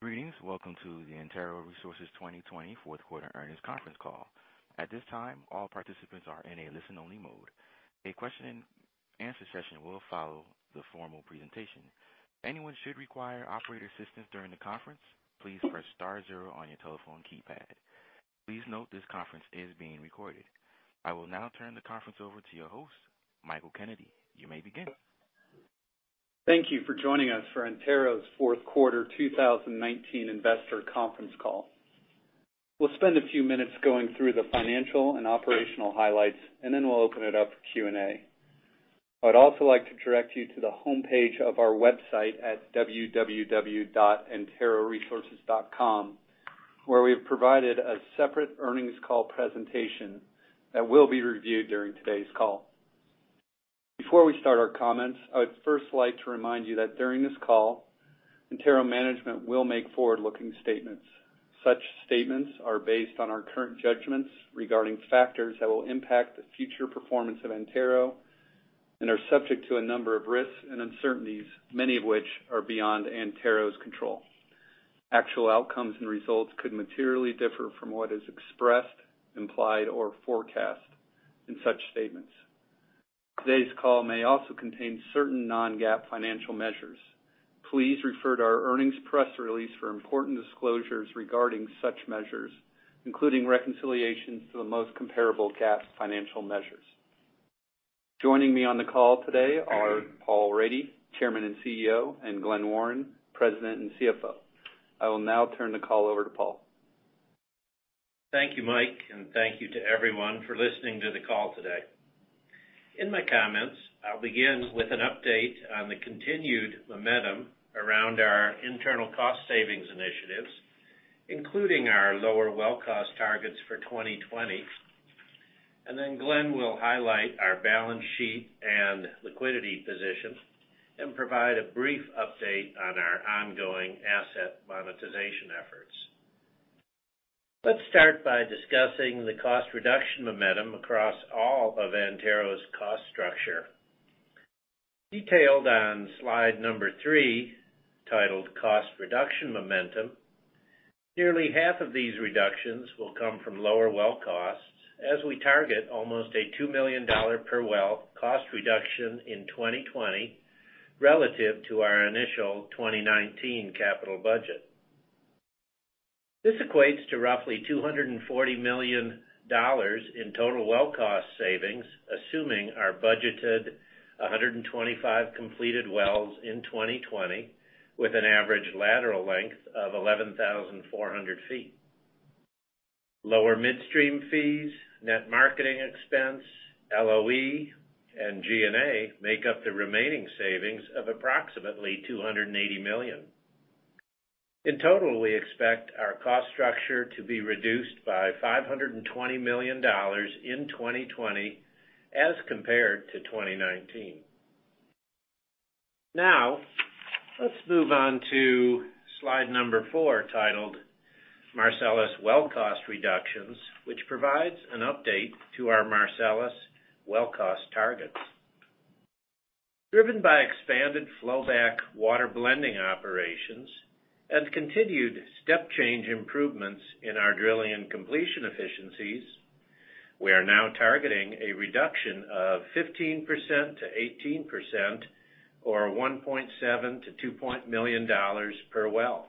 Greetings. Welcome to the Antero Resources 2019 Fourth Quarter Earnings Conference Call. At this time, all participants are in a listen-only mode. A question and answer session will follow the formal presentation. If anyone should require operator assistance during the conference, please press star zero on your telephone keypad. Please note this conference is being recorded. I will now turn the conference over to your host, Michael Kennedy. You may begin. Thank you for joining us for Antero's fourth quarter 2019 investor conference call. We'll spend a few minutes going through the financial and operational highlights, and then we'll open it up for Q&A. I'd also like to direct you to the homepage of our website at www.anteroresources.com, where we have provided a separate earnings call presentation that will be reviewed during today's call. Before we start our comments, I would first like to remind you that during this call, Antero management will make forward-looking statements. Such statements are based on our current judgments regarding factors that will impact the future performance of Antero and are subject to a number of risks and uncertainties, many of which are beyond Antero's control. Actual outcomes and results could materially differ from what is expressed, implied, or forecast in such statements. Today's call may also contain certain non-GAAP financial measures. Please refer to our earnings press release for important disclosures regarding such measures, including reconciliations to the most comparable GAAP financial measures. Joining me on the call today are Paul Rady, Chairman and CEO, and Glen Warren, President and CFO. I will now turn the call over to Paul. Thank you, Mike, and thank you to everyone for listening to the call today. In my comments, I'll begin with an update on the continued momentum around our internal cost savings initiatives, including our lower well cost targets for 2020. Glen will highlight our balance sheet and liquidity position and provide a brief update on our ongoing asset monetization efforts. Let's start by discussing the cost reduction momentum across all of Antero's cost structure. Detailed on slide number 3, titled Cost Reduction Momentum, nearly half of these reductions will come from lower well costs as we target almost a $2 million per well cost reduction in 2020 relative to our initial 2019 capital budget. This equates to roughly $240 million in total well cost savings, assuming our budgeted 125 completed wells in 2020, with an average lateral length of 11,400 feet. Lower midstream fees, net marketing expense, LOE, and G&A make up the remaining savings of approximately $280 million. In total, we expect our cost structure to be reduced by $520 million in 2020 as compared to 2019. Let's move on to slide number 4, titled Marcellus Well Cost Reductions, which provides an update to our Marcellus well cost targets. Driven by expanded flowback water blending operations and continued step change improvements in our drilling and completion efficiencies, we are now targeting a reduction of 15%-18%, or $1.7 million-$2 million per well.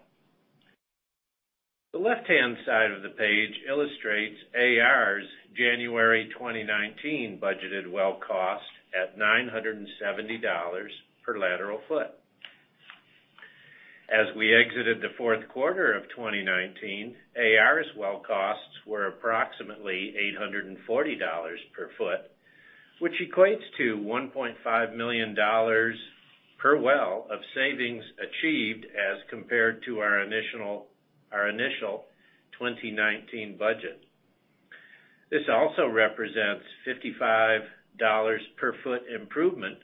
The left-hand side of the page illustrates Antero Resources's January 2019 budgeted well cost at $970 per lateral foot. As we exited the fourth quarter of 2019, Antero Resources's well costs were approximately $840 per foot, which equates to $1.5 million per well of savings achieved as compared to our initial 2019 budget. This also represents $55 per foot improvement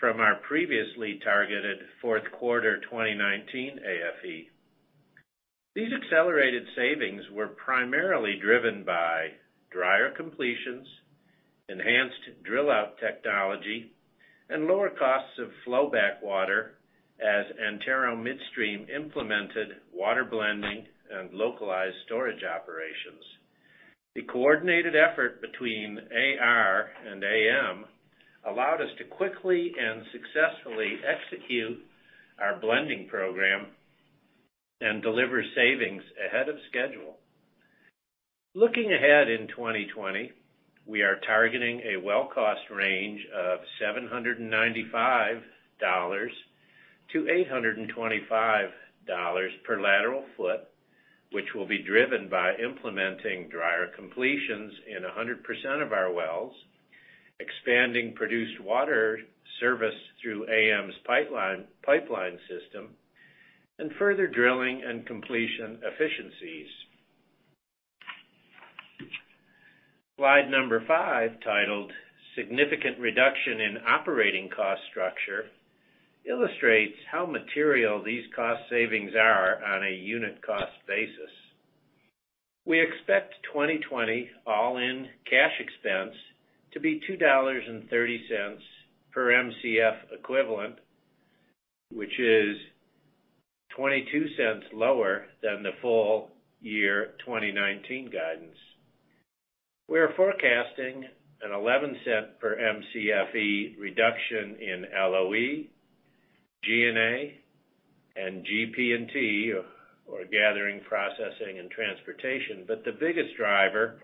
from our previously targeted fourth quarter 2019 AFE. These accelerated savings were primarily driven by drier completions, enhanced drill out technology, and lower costs of flowback water as Antero Midstream implemented water blending and localized storage operations. The coordinated effort between AR and AM allowed us to quickly and successfully execute our blending program and deliver savings ahead of schedule. Looking ahead in 2020, we are targeting a well cost range of $795-$825 per lateral foot, which will be driven by implementing drier completions in 100% of our wells, expanding produced water service through AM's pipeline system, and further drilling and completion efficiencies. Slide number 5, titled Significant Reduction in Operating Cost Structure, illustrates how material these cost savings are on a unit cost basis. We expect 2020 all-in cash expense to be $2.30 per Mcf equivalent, which is $0.22 lower than the full year 2019 guidance. We're forecasting an $0.11 per Mcfe reduction in LOE, G&A, and GP&T or Gathering, Processing, and Transportation. The biggest driver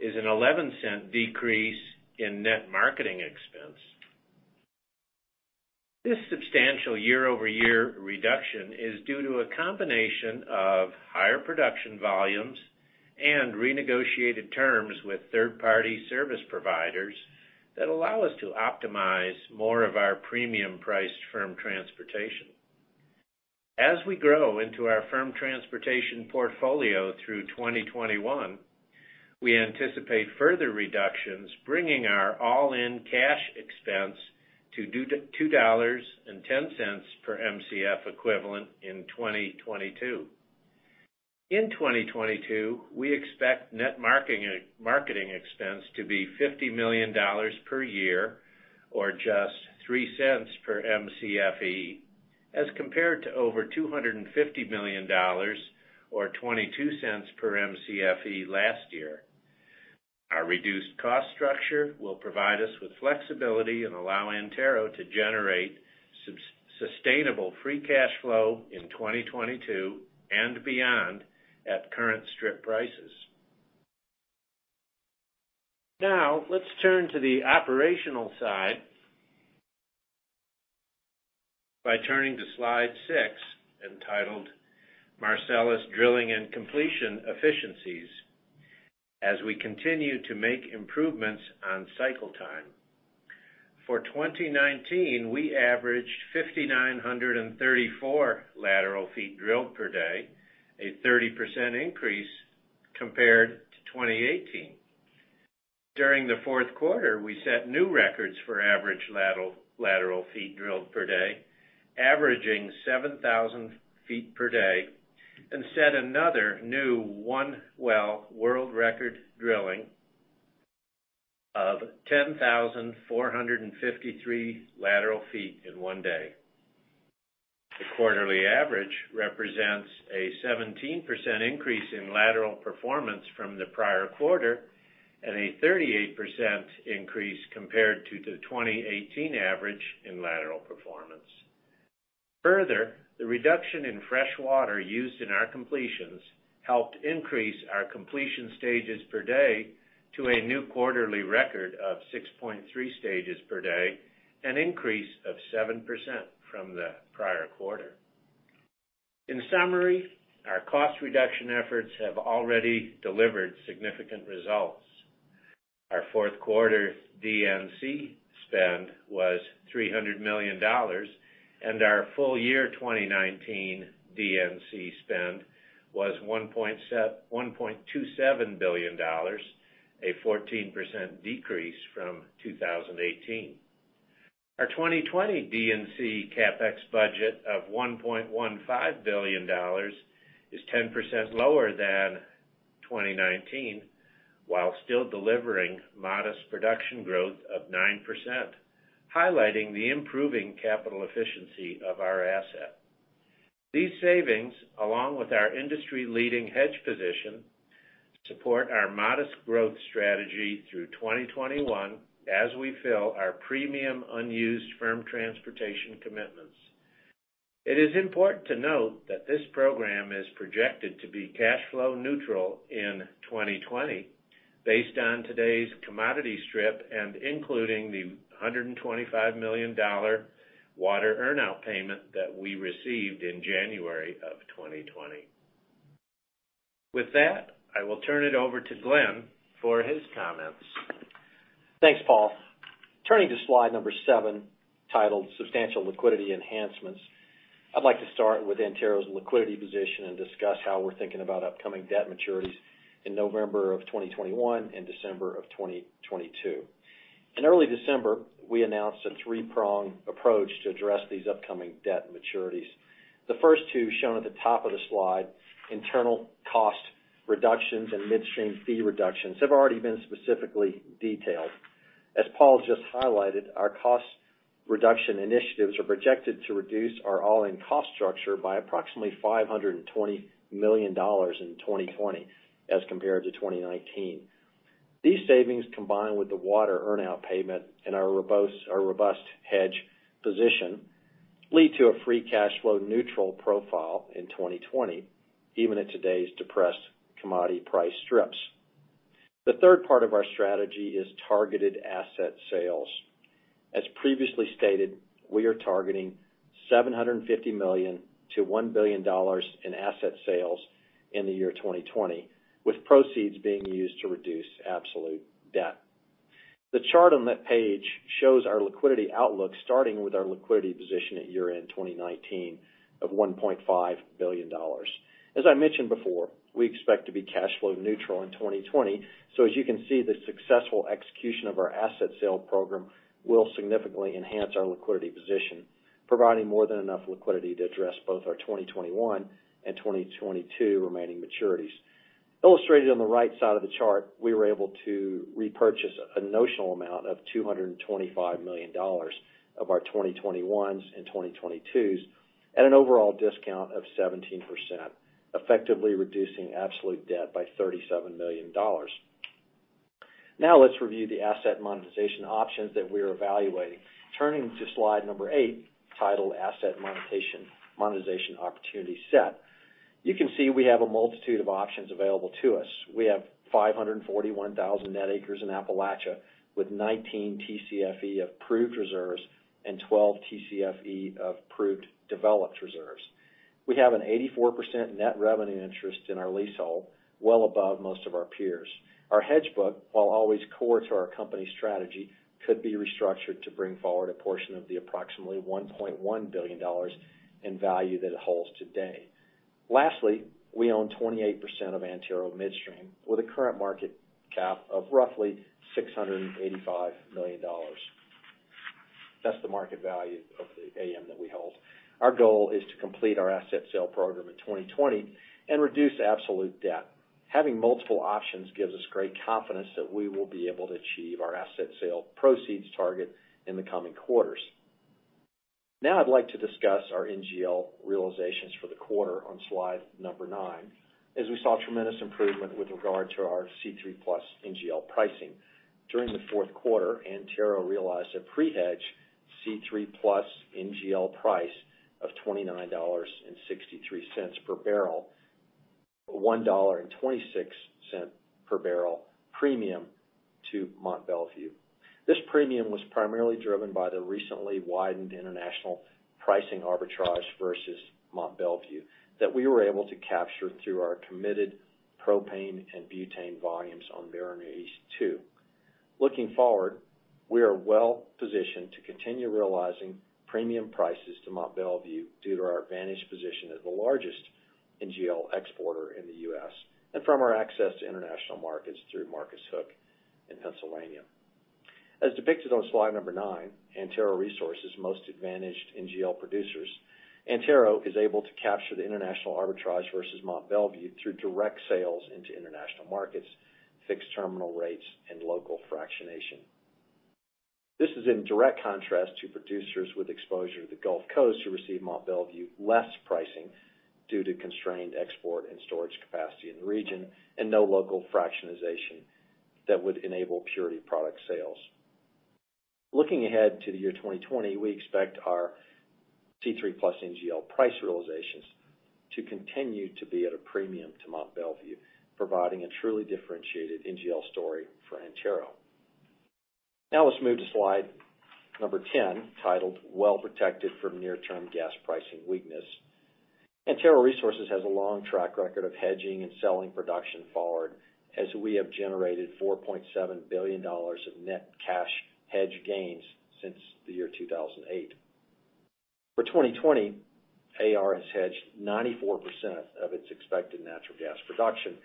is an $0.11 decrease in net marketing expense. This substantial year-over-year reduction is due to a combination of higher production volumes and renegotiated terms with third-party service providers that allow us to optimize more of our premium-priced firm transportation. As we grow into our firm transportation portfolio through 2021, we anticipate further reductions, bringing our all-in cash expense to $2.10 per Mcf equivalent in 2022. In 2022, we expect net marketing expense to be $50 million per year or just $0.03 per Mcfe as compared to over $250 million or $0.22 per Mcfe last year. Our reduced cost structure will provide us with flexibility and allow Antero to generate sustainable free cash flow in 2022 and beyond at current strip prices. Now, let's turn to the operational side by turning to slide 6, entitled Marcellus Drilling and Completion Efficiencies, as we continue to make improvements on cycle time. For 2019, we averaged 5,934 lateral feet drilled per day, a 30% increase compared to 2018. During the fourth quarter, we set new records for average lateral feet drilled per day, averaging 7,000 feet per day, and set another new one well world record drilling of 10,453 lateral feet in one day. The quarterly average represents a 17% increase in lateral performance from the prior quarter and a 38% increase compared to the 2018 average in lateral performance. Further, the reduction in fresh water used in our completions helped increase our completion stages per day to a new quarterly record of 6.3 stages per day, an increase of 7% from the prior quarter. In summary, our cost reduction efforts have already delivered significant results. Our fourth quarter D&C spend was $300 million, and our full year 2019 D&C spend was $1.27 billion, a 14% decrease from 2018. Our 2020 D&C CapEx budget of $1.15 billion is 10% lower than 2019, while still delivering modest production growth of 9%, highlighting the improving capital efficiency of our asset. These savings, along with our industry-leading hedge position, support our modest growth strategy through 2021 as we fill our premium unused firm transportation commitments. It is important to note that this program is projected to be cash flow neutral in 2020 based on today's commodity strip and including the $125 million water earn-out payment that we received in January of 2020. With that, I will turn it over to Glen for his comments. Thanks, Paul. Turning to slide number 7, titled Substantial Liquidity Enhancements. I'd like to start with Antero's liquidity position and discuss how we're thinking about upcoming debt maturities in November of 2021 and December of 2022. In early December, we announced a three-pronged approach to address these upcoming debt maturities. The first two shown at the top of the slide, internal cost reductions and midstream fee reductions, have already been specifically detailed. As Paul just highlighted, our cost reduction initiatives are projected to reduce our all-in cost structure by approximately $520 million in 2020 as compared to 2019. These savings, combined with the water earn-out payment and our robust hedge position, lead to a free cash flow neutral profile in 2020, even at today's depressed commodity price strips. The third part of our strategy is targeted asset sales. As previously stated, we are targeting $750 million-$1 billion in asset sales in the year 2020, with proceeds being used to reduce absolute debt. The chart on that page shows our liquidity outlook starting with our liquidity position at year-end 2019 of $1.5 billion. As I mentioned before, we expect to be cash flow neutral in 2020. As you can see, the successful execution of our asset sale program will significantly enhance our liquidity position, providing more than enough liquidity to address both our 2021 and 2022 remaining maturities. Illustrated on the right side of the chart, we were able to repurchase a notional amount of $225 million of our 2021s and 2022s at an overall discount of 17%, effectively reducing absolute debt by $37 million. Let's review the asset monetization options that we are evaluating. Turning to slide number 8, titled Asset Monetization Opportunity Set, you can see we have a multitude of options available to us. We have 541,000 net acres in Appalachia, with 19 TCFE of proved reserves and 12 TCFE of proved developed reserves. We have an 84% net revenue interest in our leasehold, well above most of our peers. Our hedge book, while always core to our company strategy, could be restructured to bring forward a portion of the approximately $1.1 billion in value that it holds today. Lastly, we own 28% of Antero Midstream, with a current market cap of roughly $685 million. That's the market value of the AM that we hold. Our goal is to complete our asset sale program in 2020 and reduce absolute debt. Having multiple options gives us great confidence that we will be able to achieve our asset sale proceeds target in the coming quarters. I'd like to discuss our NGL realizations for the quarter on slide number 9, as we saw tremendous improvement with regard to our C3+ NGL pricing. During the fourth quarter, Antero realized a pre-hedge C3+ NGL price of $29.63 per barrel, a $1.26 per barrel premium to Mont Belvieu. This premium was primarily driven by the recently widened international pricing arbitrage versus Mont Belvieu that we were able to capture through our committed propane and butane volumes on Mariner East 2. Looking forward, we are well-positioned to continue realizing premium prices to Mont Belvieu due to our advantaged position as the largest NGL exporter in the U.S., and from our access to international markets through Marcus Hook in Pennsylvania. As depicted on slide number 9, Antero Resources is most advantaged NGL producers. Antero is able to capture the international arbitrage versus Mont Belvieu through direct sales into international markets, fixed terminal rates, and local fractionation. This is in direct contrast to producers with exposure to the Gulf Coast who receive Mont Belvieu less pricing due to constrained export and storage capacity in the region and no local fractionation that would enable purity product sales. Looking ahead to the year 2020, we expect our C3+ NGL price realizations to continue to be at a premium to Mont Belvieu, providing a truly differentiated NGL story for Antero. Now let's move to slide number 10, titled Well Protected from Near-Term Gas Pricing Weakness. Antero Resources has a long track record of hedging and selling production forward, as we have generated $4.7 billion of net cash hedge gains since the year 2008. For 2020, AR has hedged 94% of its expected natural gas production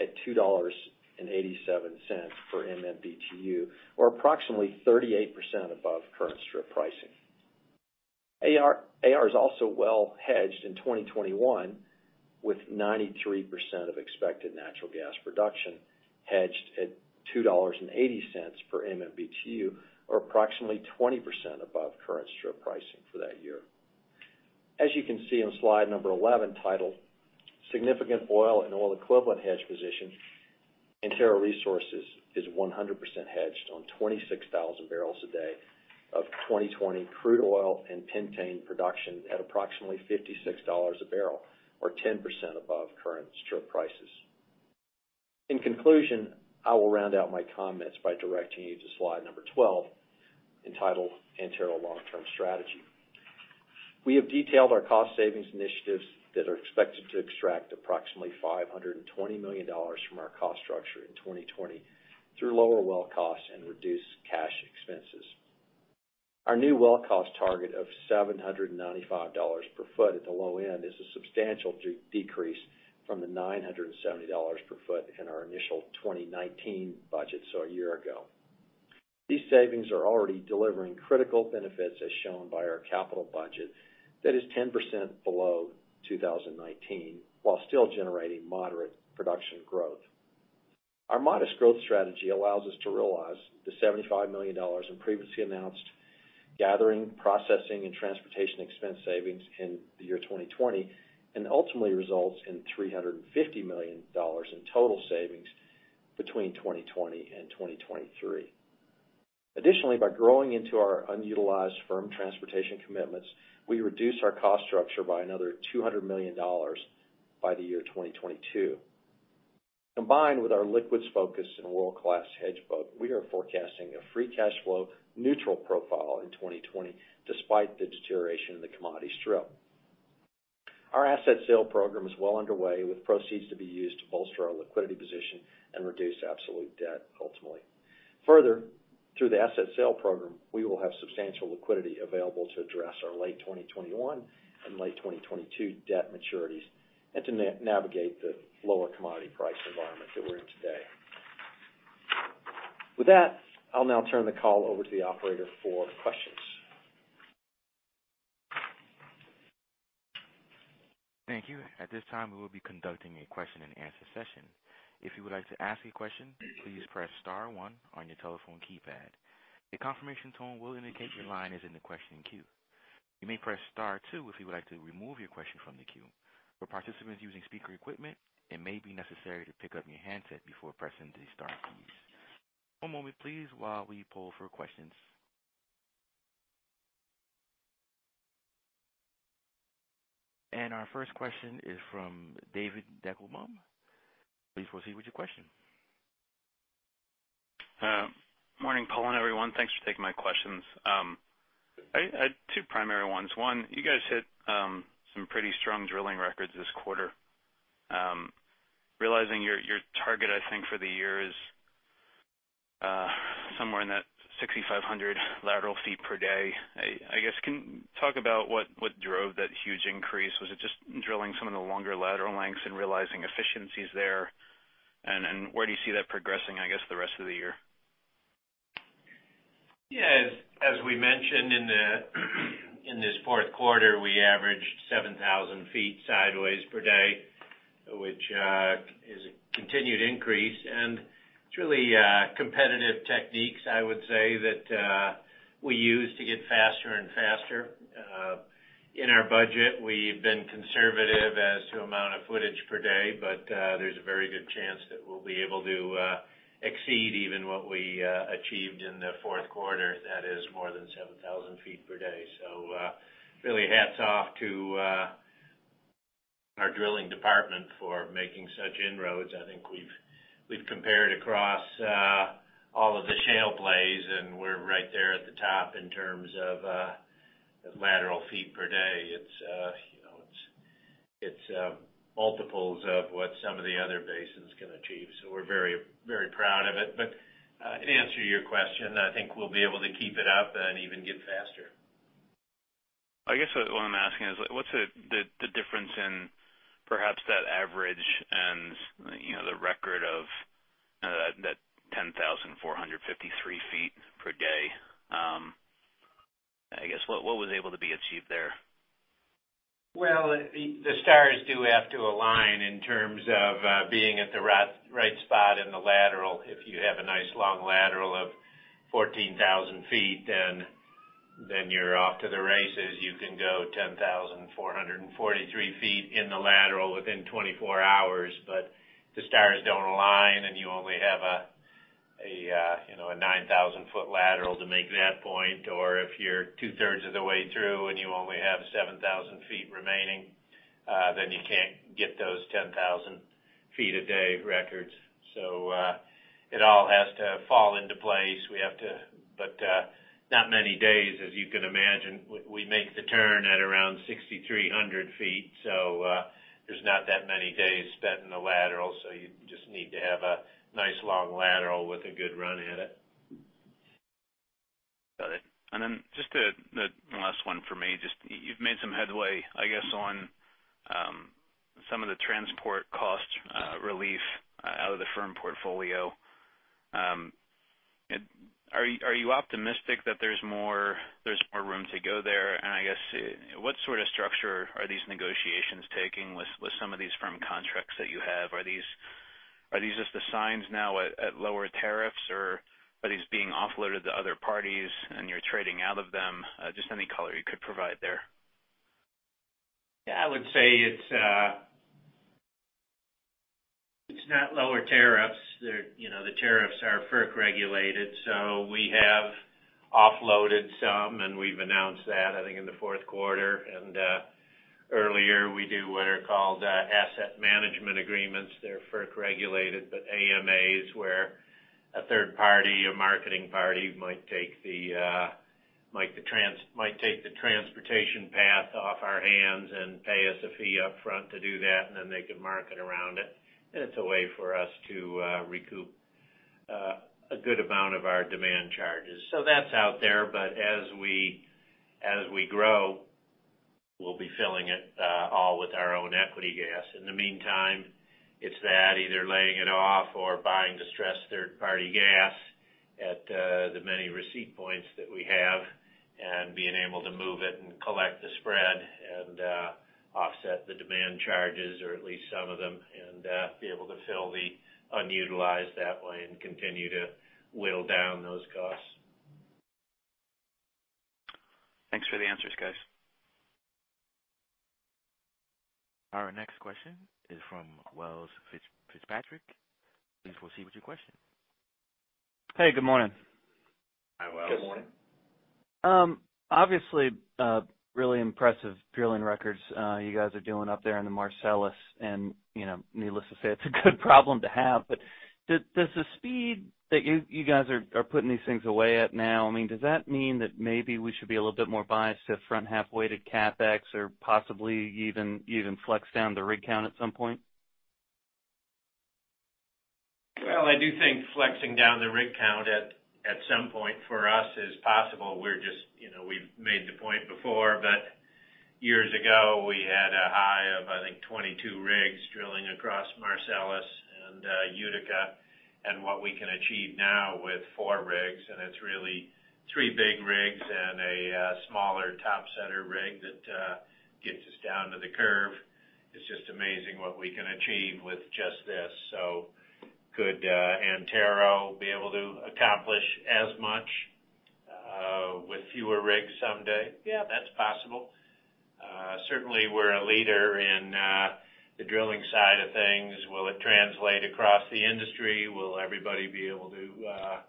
at $2.87 per MMBtu, or approximately 38% above current strip pricing. AR is also well hedged in 2021, with 93% of expected natural gas production hedged at $2.80 per MMBtu, or approximately 20% above current strip pricing for that year. As you can see on slide number 11, titled Significant Oil and Oil Equivalent Hedge Position, Antero Resources is 100% hedged on 26,000 barrels a day of 2020 crude oil and pentane production at approximately $56 a barrel, or 10% above current strip prices. In conclusion, I will round out my comments by directing you to slide number 12, entitled Antero Long-Term Strategy. We have detailed our cost savings initiatives that are expected to extract approximately $520 million from our cost structure in 2020 through lower well costs and reduced cash expenses. Our new well cost target of $795 per foot at the low end is a substantial decrease from the $970 per foot in our initial 2019 budget, so a year ago. These savings are already delivering critical benefits, as shown by our capital budget that is 10% below 2019, while still generating moderate production growth. Our modest growth strategy allows us to realize the $75 million in previously announced gathering, processing, and transportation expense savings in the year 2020, and ultimately results in $350 million in total savings between 2020 and 2023. Additionally, by growing into our unutilized firm transportation commitments, we reduce our cost structure by another $200 million by the year 2022. Combined with our liquids focus and world-class hedge book, we are forecasting a free cash flow neutral profile in 2020, despite the deterioration in the commodities strip. Our asset sale program is well underway, with proceeds to be used to bolster our liquidity position and reduce absolute debt ultimately. Further, through the asset sale program, we will have substantial liquidity available to address our late 2021 and late 2022 debt maturities and to navigate the lower commodity price environment that we're in today. With that, I'll now turn the call over to the operator for questions. Thank you. At this time, we will be conducting a question and answer session. If you would like to ask a question, please press star one on your telephone keypad. A confirmation tone will indicate your line is in the question queue. You may press star two if you would like to remove your question from the queue. For participants using speaker equipment, it may be necessary to pick up your handset before pressing the star keys. One moment, please, while we poll for questions. Our first question is from David Deckelbaum. Please proceed with your question. Morning, Paul, and everyone. Thanks for taking my questions. I had two primary ones. One, you guys hit some pretty strong drilling records this quarter. Realizing your target, I think, for the year is somewhere in that 6,500 lateral feet per day. Can you talk about what drove that huge increase? Was it just drilling some of the longer lateral lengths and realizing efficiencies there? Where do you see that progressing the rest of the year? Yes. As we mentioned in this fourth quarter, we averaged 7,000 feet sideways per day, which is a continued increase. It's really competitive techniques, I would say, that we use to get faster and faster. In our budget, we've been conservative as to amount of footage per day, there's a very good chance that we'll be able to exceed even what we achieved in the fourth quarter. That is more than 7,000 feet per day. Really hats off to our drilling department for making such inroads. I think we've compared across all of the shale plays, we're right there at the top in terms of lateral feet per day. It's multiples of what some of the other basins can achieve. We're very proud of it. In answer to your question, I think we'll be able to keep it up and even get faster. I guess what I'm asking is, what's the difference in perhaps that average and the record of that 10,453 feet per day? What was able to be achieved there? Well, the stars do have to align in terms of being at the right spot in the lateral. If you have a nice long lateral of 14,000 feet, then you're off to the races. You can go 10,443 feet in the lateral within 24 hours. The stars don't align, and you only have a 9,000-foot lateral to make that point. If you're two-thirds of the way through and you only have 7,000 feet remaining, then you can't get those 10,000-feet-a-day records. It all has to fall into place. Not many days, as you can imagine. We make the turn at around 6,300 feet. There's not that many days spent in the lateral. You just need to have a nice long lateral with a good run in it. Got it. Then just the last one for me. You've made some headway on some of the transport cost relief out of the firm portfolio. Are you optimistic that there's more room to go there? What sort of structure are these negotiations taking with some of these firm contracts that you have? Are these just the signs now at lower tariffs, or are these being offloaded to other parties and you're trading out of them? Just any color you could provide there. Yeah, I would say it's not lower tariffs. The tariffs are FERC-regulated. We have offloaded some, and we've announced that, I think, in the fourth quarter. Earlier, we do what are called asset management agreements. They're FERC-regulated, but AMAs, where a third party, a marketing party might take the transportation path off our hands and pay us a fee up front to do that, and then they can market around it. It's a way for us to recoup a good amount of our demand charges. That's out there. As we grow, we'll be filling it all with our own equity gas. In the meantime, it's that either laying it off or buying distressed third-party gas at the many receipt points that we have and being able to move it and collect the spread and offset the demand charges, or at least some of them, and be able to fill the unutilized that way and continue to whittle down those costs. Thanks for the answers, guys. Our next question is from Wells Fitzpatrick. Please proceed with your question. Hey, good morning. Hi, Wells. Good morning. Obviously, really impressive drilling records you guys are doing up there in the Marcellus. Needless to say, it's a good problem to have. Does the speed that you guys are putting these things away at now, does that mean that maybe we should be a little bit more biased to front-half weighted CapEx or possibly even flex down the rig count at some point? Well, I do think flexing down the rig count at some point for us is possible. We've made the point before, but years ago we had a high of, I think, 22 rigs drilling across Marcellus and Utica, and what we can achieve now with four rigs, and it's really three big rigs and a smaller topsetter rig that gets us down to the curve. It's just amazing what we can achieve with just this. Could Antero be able to accomplish as much with fewer rigs someday? Yeah, that's possible. Certainly, we're a leader in the drilling side of things. Will it translate across the industry? Will everybody be able to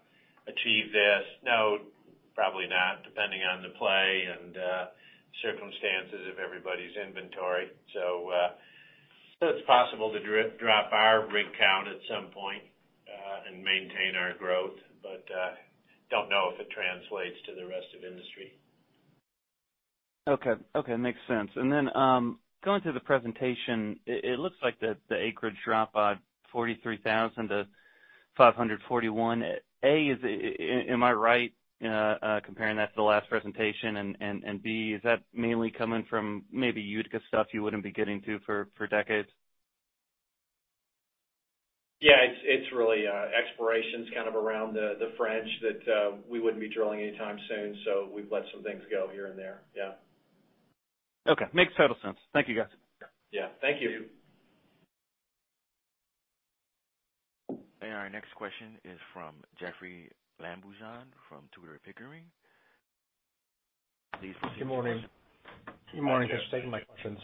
achieve this? No, probably not, depending on the play and circumstances of everybody's inventory. It's possible to drop our rig count at some point and maintain our growth, but don't know if it translates to the rest of industry. Okay. Makes sense. Going through the presentation, it looks like the acreage drop by 43,000 to 541. A, am I right comparing that to the last presentation, and B, is that mainly coming from maybe Utica stuff you wouldn't be getting to for decades? Yeah, it's really explorations kind of around the fringe that we wouldn't be drilling anytime soon. We've let some things go here and there. Yeah. Okay. Makes total sense. Thank you, guys. Yeah. Thank you. Our next question is from Jeoffrey Lambujon from Tudor Pickering. Please proceed with your question. Good morning. Good morning, Jeff. Thanks for taking my questions.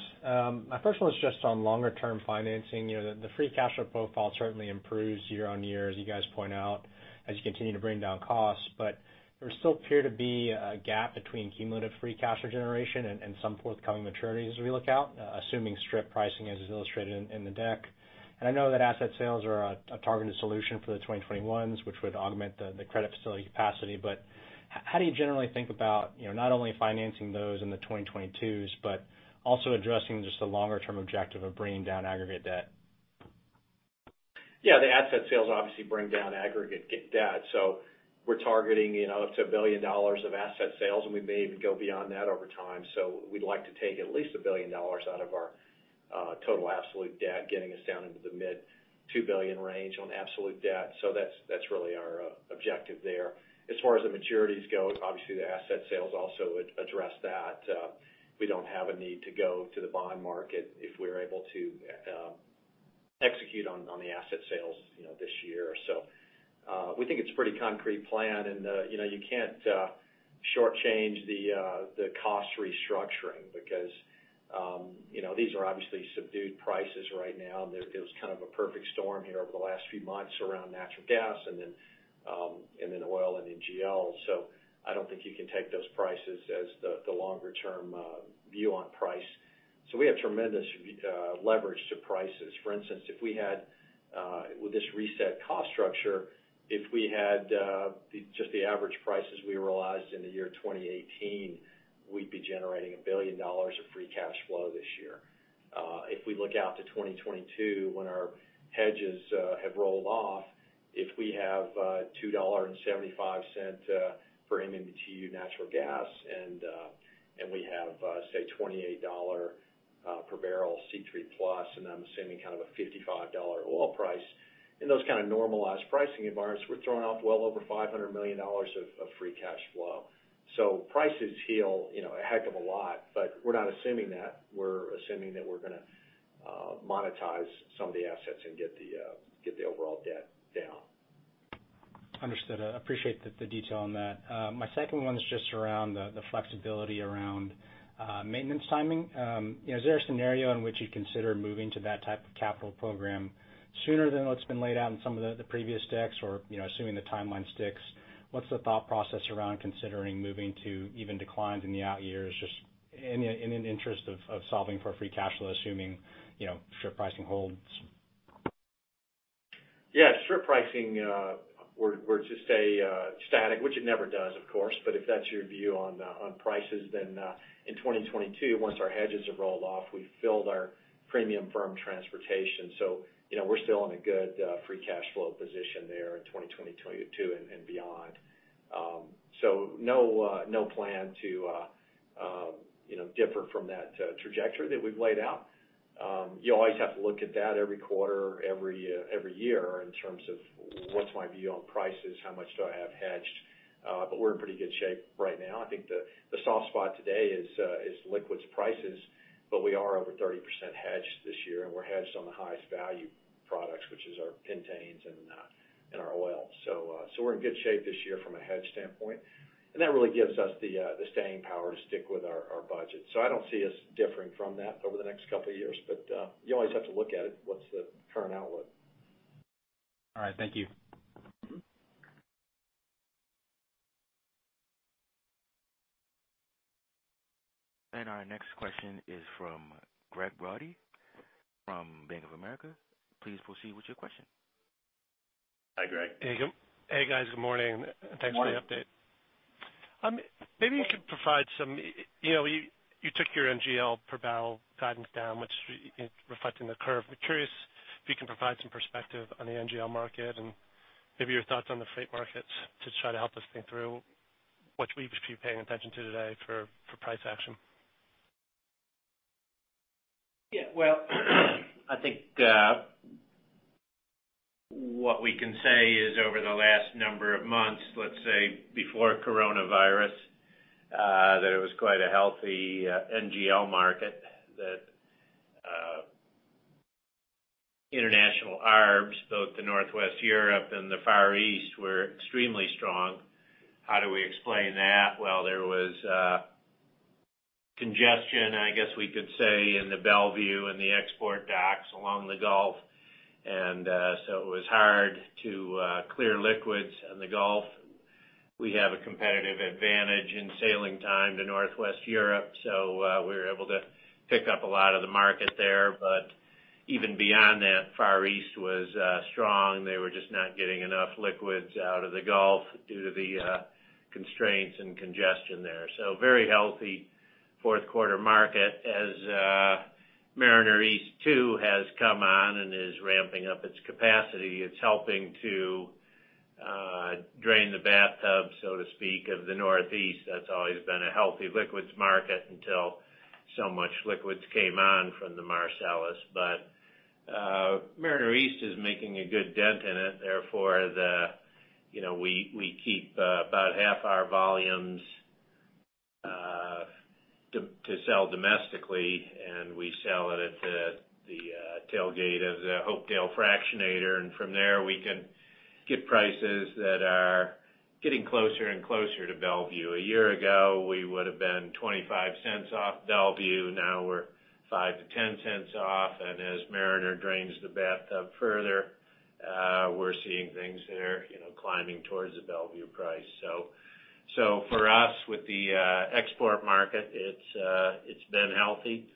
My first one is just on longer term financing. The free cash flow profile certainly improves year-over-year, as you guys point out, as you continue to bring down costs. There still appear to be a gap between cumulative free cash flow generation and some forthcoming maturities as we look out, assuming strip pricing as is illustrated in the deck. I know that asset sales are a targeted solution for the 2021s, which would augment the credit facility capacity. How do you generally think about not only financing those in the 2022s, but also addressing just the longer-term objective of bringing down aggregate debt? The asset sales obviously bring down aggregate debt. We're targeting up to $1 billion of asset sales, and we may even go beyond that over time. We'd like to take at least $1 billion out of our total absolute debt, getting us down into the mid $2 billion range on absolute debt. That's really our objective there. As far as the maturities go, obviously, the asset sales also address that. We don't have a need to go to the bond market if we're able to execute on the asset sales this year. We think it's a pretty concrete plan. You can't shortchange the cost restructuring because these are obviously subdued prices right now, and it was kind of a perfect storm here over the last few months around natural gas and then oil and NGL. I don't think you can take those prices as the longer-term view on price. We have tremendous leverage to prices. For instance, with this reset cost structure, if we had just the average prices we realized in the year 2018, we'd be generating $1 billion of free cash flow this year. If we look out to 2022 when our hedges have rolled off, if we have a $2.75 per MMBtu natural gas, and we have, say, $28 per barrel C3 plus, and I'm assuming kind of a $55 oil price, in those kind of normalized pricing environments, we're throwing off well over $500 million of free cash flow. Prices heal a heck of a lot, but we're not assuming that. We're assuming that we're going to monetize some of the assets and get the overall debt down. Understood. I appreciate the detail on that. My second one is just around the flexibility around maintenance timing. Is there a scenario in which you consider moving to that type of capital program sooner than what's been laid out in some of the previous decks? Or, assuming the timeline sticks, what's the thought process around considering moving to even declines in the out years, just in an interest of solving for free cash flow, assuming strip pricing holds? Yeah. Strip pricing were to stay static, which it never does, of course, but if that's your view on prices, in 2022, once our hedges have rolled off, we've filled our premium firm transportation. We're still in a good free cash flow position there in 2022 and beyond. No plan to differ from that trajectory that we've laid out. You always have to look at that every quarter, every year in terms of what's my view on prices, how much do I have hedged? We're in pretty good shape right now. I think the soft spot today is liquids prices, but we are over 30% hedged this year, and we're hedged on the highest value products, which is our pentanes and our oil. We're in good shape this year from a hedge standpoint, and that really gives us the staying power to stick with our budget. I don't see us differing from that over the next couple of years. You always have to look at it. What's the current outlook? All right. Thank you. Our next question is from Gregg Brody from Bank of America. Please proceed with your question. Hi, Gregg. Hey. Hey, guys. Good morning. Good morning. Thanks for the update. You took your NGL per barrel guidance down, which is reflecting the curve. I'm curious if you can provide some perspective on the NGL market and maybe your thoughts on the freight markets to try to help us think through what we should be paying attention to today for price action. Yeah. Well, I think what we can say is over the last number of months, let's say before coronavirus, that it was quite a healthy NGL market. That international arbs, both the Northwest Europe and the Far East, were extremely strong. How do we explain that? Well, there was congestion, I guess we could say, in the Mont Belvieu and the export docks along the Gulf. It was hard to clear liquids in the Gulf. We have a competitive advantage in sailing time to Northwest Europe, so we were able to pick up a lot of the market there. Even beyond that, Far East was strong. They were just not getting enough liquids out of the Gulf due to the constraints and congestion there. Very healthy fourth quarter market as Mariner East 2 has come on and is ramping up its capacity. It's helping to drain the bathtub, so to speak, of the Northeast. That's always been a healthy liquids market until so much liquids came on from the Marcellus. Mariner East is making a good dent in it. Therefore, we keep about half our volumes to sell domestically, and we sell it at the tailgate of the Hopedale Fractionator. From there, we can get prices that are getting closer and closer to Belvieu. A year ago, we would've been $0.25 off Belvieu. Now we're $0.05-$0.10 off. As Mariner drains the bathtub further, we're seeing things there climbing towards the Belvieu price. For us, with the export market, it's been healthy.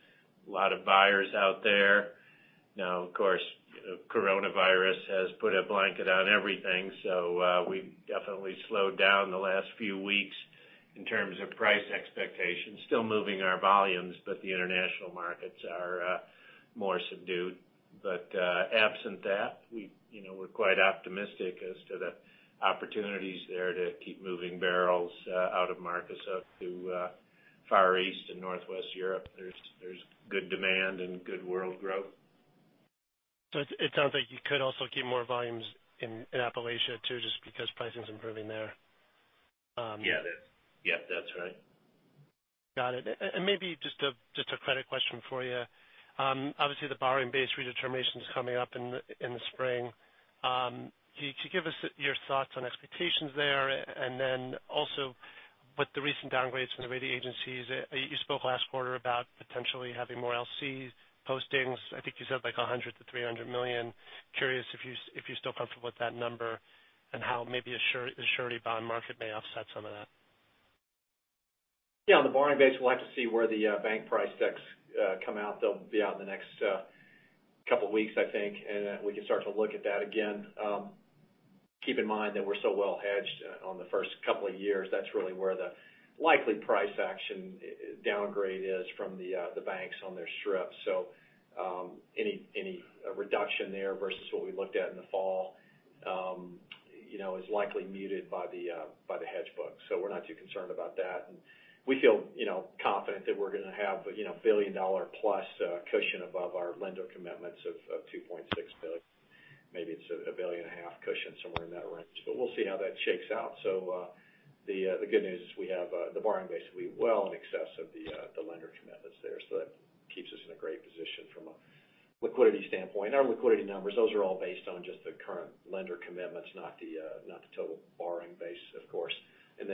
A lot of buyers out there. Now, of course, coronavirus has put a blanket on everything, we've definitely slowed down the last few weeks in terms of price expectations. Still moving our volumes, but the international markets are more subdued. Absent that, we're quite optimistic as to the opportunities there to keep moving barrels out of Marcus up to Far East and Northwest Europe. There's good demand and good world growth. It sounds like you could also keep more volumes in Appalachia too, just because pricing's improving there. Yeah, that's right. Got it. Maybe just a credit question for you. Obviously, the borrowing base redetermination's coming up in the spring. Could you give us your thoughts on expectations there, and then also with the recent downgrades from the rating agencies, you spoke last quarter about potentially having more LCs postings. I think you said like $100 million-$300 million. Curious if you're still comfortable with that number, and how maybe a surety bond market may offset some of that. Yeah, on the borrowing base, we'll have to see where the bank price decks come out. They'll be out in the next couple weeks, I think, and then we can start to look at that again. Keep in mind that we're so well hedged on the first couple of years. That's really where the likely price action downgrade is from the banks on their strips. Any reduction there versus what we looked at in the fall is likely muted by the hedge book. We're not too concerned about that, and we feel confident that we're going to have a billion-dollar-plus cushion above our lender commitments of $2.6 billion. Maybe it's $1.5 billion cushion, somewhere in that range. We'll see how that shakes out. The good news is we have the borrowing base will be well in excess of the lender commitments there. That keeps us in a great position from a liquidity standpoint. Our liquidity numbers, those are all based on just the current lender commitments, not the total borrowing base, of course. On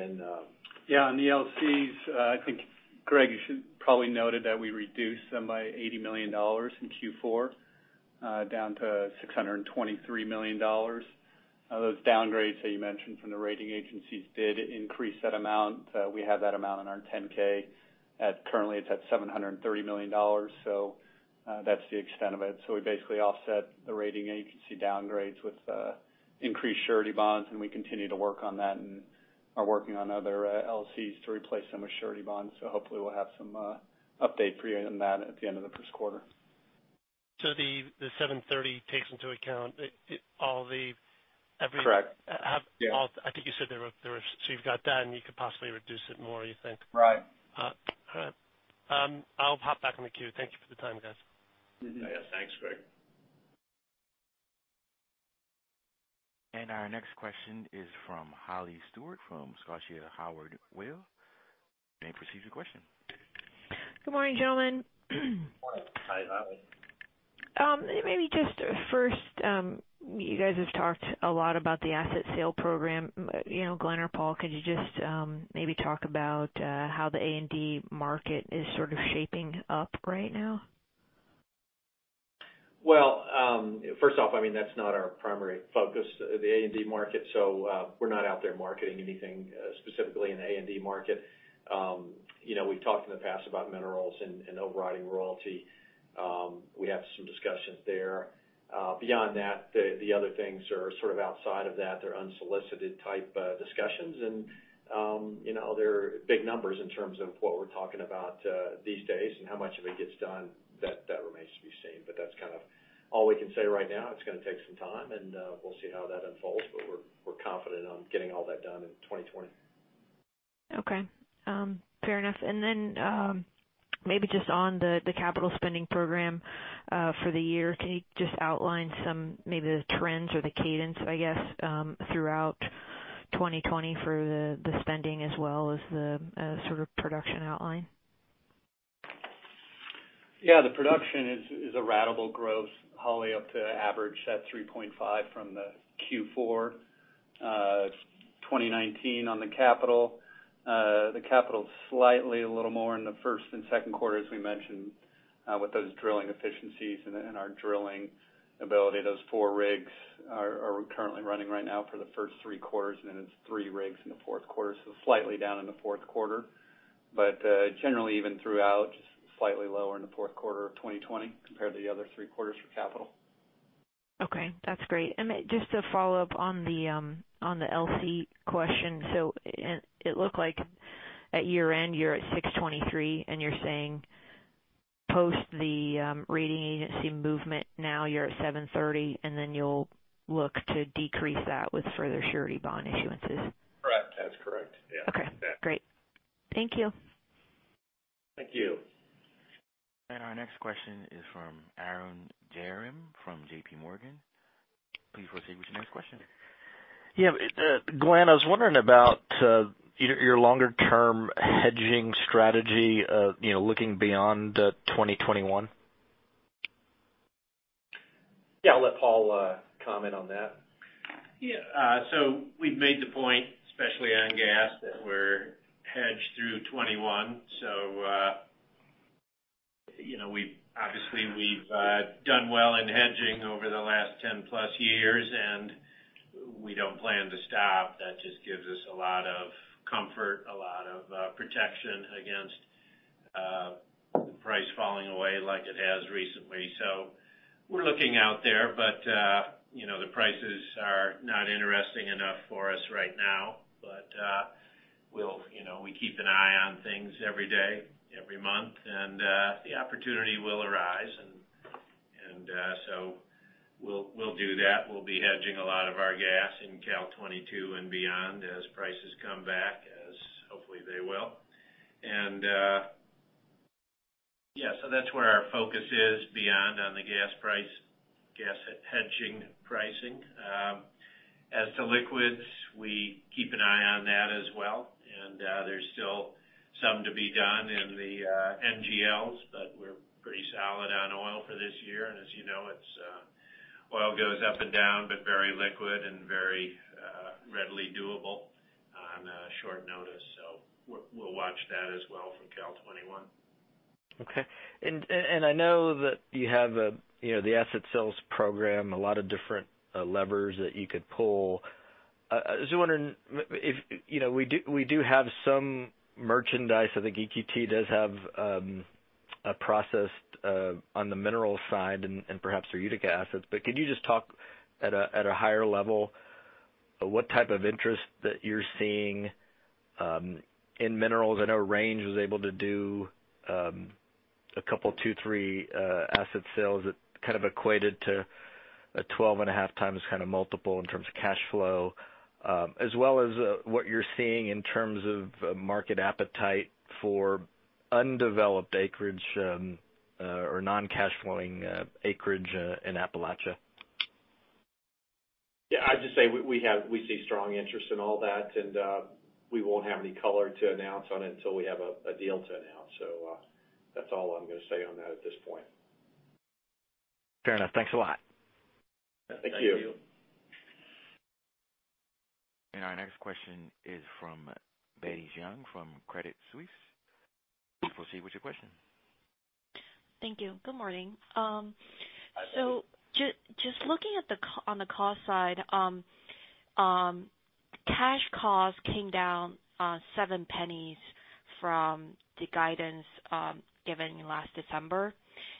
the LCs, I think, Gregg, you should probably noted that we reduced them by $80 million in Q4, down to $623 million. Those downgrades that you mentioned from the rating agencies did increase that amount. We have that amount in our 10K. Currently, it's at $730 million. That's the extent of it. We basically offset the rating agency downgrades with increased surety bonds, and we continue to work on that and are working on other LCs to replace some of surety bonds. Hopefully we'll have some update for you on that at the end of the first quarter. The 730 takes into account all the- Correct. Yeah. I think you said. You've got that and you could possibly reduce it more, you think? Right. All right. I'll hop back on the queue. Thank you for the time, guys. Yeah. Thanks, Gregg. Our next question is from Holly Stewart from Scotiabank Howard Weil. You may proceed with your question. Good morning, gentlemen. Morning. Hi, Holly. Maybe just first, you guys have talked a lot about the asset sale program. Glen or Paul, could you just maybe talk about how the A&D market is sort of shaping up right now? Well, first off, that's not our primary focus, the A&D market, so we're not out there marketing anything specifically in the A&D market. We've talked in the past about minerals and overriding royalty. We have some discussions there. Beyond that, the other things are sort of outside of that. They're unsolicited type discussions and they're big numbers in terms of what we're talking about these days. How much of it gets done, that remains to be seen. That's kind of. All we can say right now, it's going to take some time, and we'll see how that unfolds. We're confident on getting all that done in 2020. Okay. Fair enough. Maybe just on the capital spending program for the year. Can you just outline maybe the trends or the cadence, I guess, throughout 2020 for the spending as well as the production outline? The production is a ratable growth, Holly, up to average, that 3.5 from the Q4 2019 on the capital. The capital is slightly a little more in the first and second quarter, as we mentioned, with those drilling efficiencies and our drilling ability. Those 4 rigs are currently running right now for the first three quarters, and then it is 3 rigs in the fourth quarter. Slightly down in the fourth quarter. Generally even throughout, just slightly lower in the fourth quarter of 2020 compared to the other three quarters for capital. Okay. That's great. Just to follow up on the LC question. It looked like at year-end, you're at $623, and you're saying post the rating agency movement now you're at $730, and then you'll look to decrease that with further surety bond issuances. Correct. That's correct. Yeah. Okay. Great. Thank you. Thank you. Our next question is from Arun Jayaram from JPMorgan. Please proceed with your next question. Yeah. Glen, I was wondering about your longer-term hedging strategy looking beyond 2021. Yeah. I'll let Paul comment on that. Yeah. We've made the point, especially on gas, that we're hedged through 2021. Obviously we've done well in hedging over the last 10 plus years, and we don't plan to stop. That just gives us a lot of comfort, a lot of protection against price falling away like it has recently. We're looking out there, the prices are not interesting enough for us right now. We keep an eye on things every day, every month, the opportunity will arise. We'll do that. We'll be hedging a lot of our gas in Cal 2022 and beyond as prices come back as hopefully they will. Yeah. That's where our focus is beyond on the gas price, gas hedging pricing. As to liquids, we keep an eye on that as well. There's still some to be done in the NGLs, but we're pretty solid on oil for this year. As you know, oil goes up and down, but very liquid and very readily doable on short notice. We'll watch that as well from Cal 2021. Okay. I know that you have the asset sales program, a lot of different levers that you could pull. I was just wondering if we do have some minerals. I think EQT does have a process on the minerals side and perhaps Eureka assets. Could you just talk at a higher level what type of interest that you're seeing in minerals? I know Range was able to do a couple, two, three asset sales that equated to a 12.5x kind of multiple in terms of cash flow. As well as what you're seeing in terms of market appetite for undeveloped acreage or non-cash flowing acreage in Appalachia. Yeah. I'd just say we see strong interest in all that. We won't have any color to announce on it until we have a deal to announce. That's all I'm going to say on that at this point. Fair enough. Thanks a lot. Thank you. Thank you. Our next question is from Betty Jiang from Credit Suisse. Please proceed with your question. Thank you. Good morning. Hi, Betty. Just looking on the cost side. Cash cost came down $0.07 from the guidance given last December,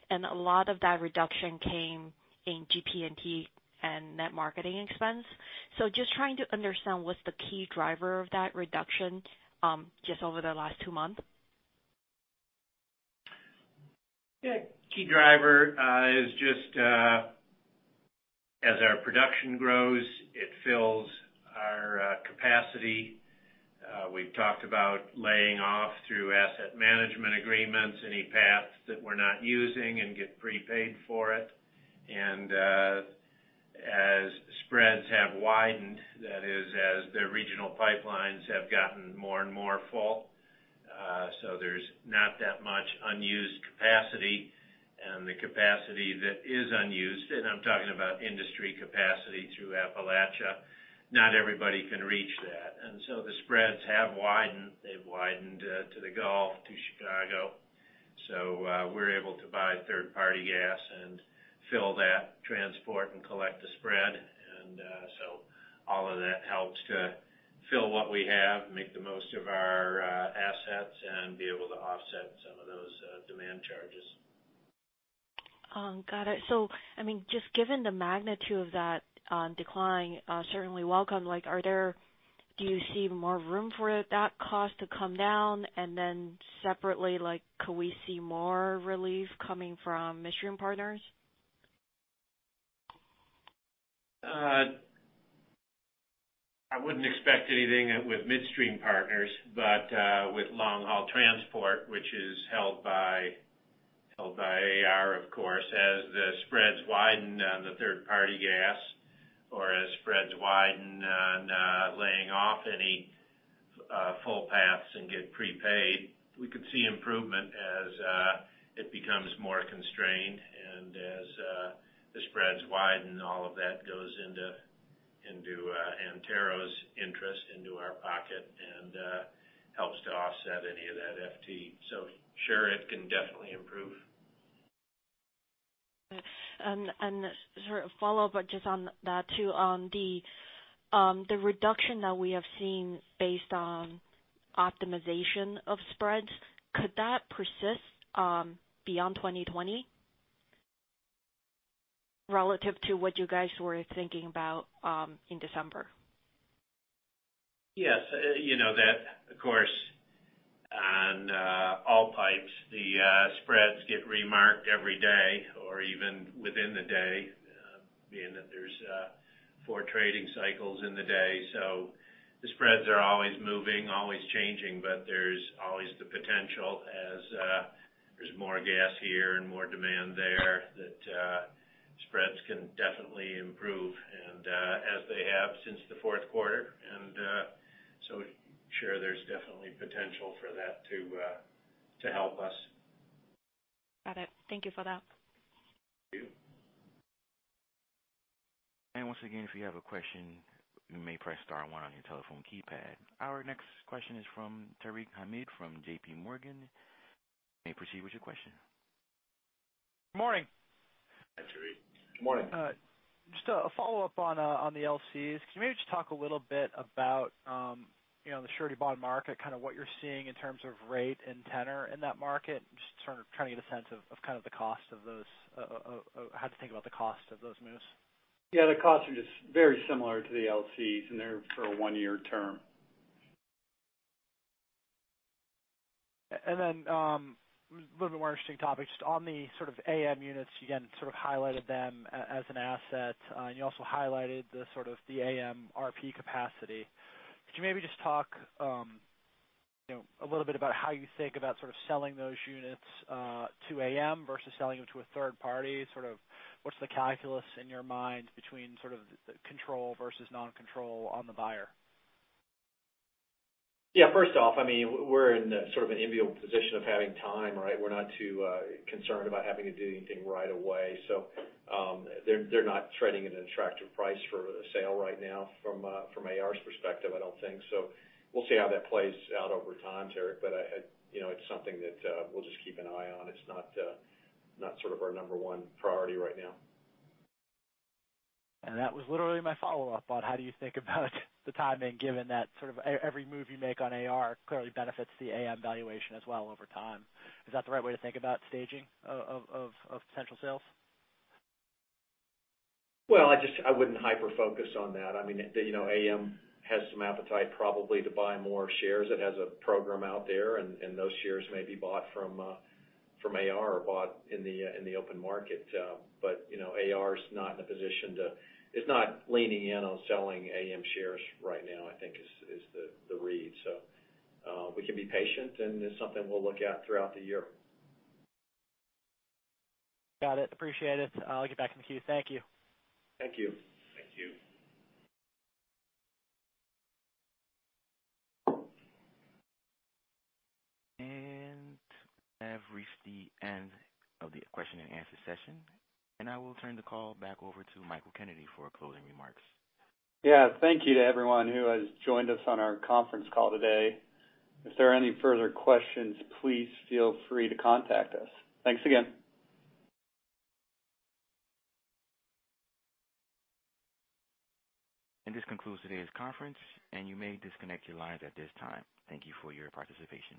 and a lot of that reduction came in GP&T and net marketing expense. Just trying to understand what's the key driver of that reduction just over the last two months? Yeah. Key driver is just as our production grows, it fills our capacity. We've talked about laying off through asset management agreements any paths that we're not using and get prepaid for it. As spreads have widened, that is, as the regional pipelines have gotten more and more full, so there's not that much unused capacity. The capacity that is unused, and I'm talking about industry capacity through Appalachia, not everybody can reach that. The spreads have widened. They've widened to the Gulf, to Chicago. We're able to buy third-party gas and fill that transport and collect the spread. All of that helps to fill what we have, make the most of our assets, and be able to offset some of those demand charges. Got it. Just given the magnitude of that decline, certainly welcome. Do you see more room for that cost to come down? Separately, could we see more relief coming from midstream partners? I wouldn't expect anything with midstream partners. With long-haul transport, which is held by AR, of course, as the spreads widen on the third-party gas, or as spreads widen on laying off any full paths and get prepaid, we could see improvement as it becomes more constrained and as the spreads widen, all of that goes into Antero's interest, into our pocket, and helps to offset any of that FT. Sure, it can definitely improve. Sort of follow-up just on that, too. On the reduction that we have seen based on optimization of spreads, could that persist beyond 2020 relative to what you guys were thinking about in December? Yes. That, of course, on all pipes, the spreads get remarked every day or even within the day, being that there's four trading cycles in the day. The spreads are always moving, always changing, but there's always the potential as there's more gas here and more demand there, that spreads can definitely improve. As they have since the fourth quarter, and so sure, there's definitely potential for that to help us. Got it. Thank you for that. Thank you. Once again, if you have a question, you may press star one on your telephone keypad. Our next question is from Tarek Hamid from JPMorgan. You may proceed with your question. Morning. Hi, Tarek. Morning. Just a follow-up on the LCs. Can you maybe just talk a little bit about the surety bond market, kind of what you're seeing in terms of rate and tenor in that market, and just sort of trying to get a sense of how to think about the cost of those moves? Yeah, the costs are just very similar to the LCs, and they're for a one-year term. A little bit more interesting topic. Just on the sort of AM units, you again sort of highlighted them as an asset. You also highlighted the sort of the AM RP capacity. Could you maybe just talk a little bit about how you think about sort of selling those units to AM versus selling them to a third party? Sort of what's the calculus in your mind between sort of control versus non-control on the buyer? Yeah. First off, we're in sort of an enviable position of having time, right? We're not too concerned about having to do anything right away. They're not trading at an attractive price for a sale right now from AR's perspective, I don't think. We'll see how that plays out over time, Tarek, but it's something that we'll just keep an eye on. It's not sort of our number 1 priority right now. That was literally my follow-up on how do you think about the timing, given that sort of every move you make on AR clearly benefits the AM valuation as well over time. Is that the right way to think about staging of potential sales? Well, I wouldn't hyper-focus on that. AM has some appetite probably to buy more shares. It has a program out there, and those shares may be bought from AR or bought in the open market. AR's not in a position to. It's not leaning in on selling AM shares right now, I think is the read. We can be patient, and it's something we'll look at throughout the year. Got it. Appreciate it. I'll get back in the queue. Thank you. Thank you. Thank you. Thank you. That reached the end of the question and answer session, and I will turn the call back over to Michael Kennedy for closing remarks. Thank you to everyone who has joined us on our conference call today. If there are any further questions, please feel free to contact us. Thanks again. This concludes today's conference, and you may disconnect your lines at this time. Thank you for your participation.